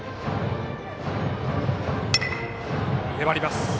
粘ります。